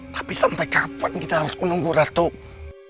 tapi sampai kapan kita harus menunggu ratu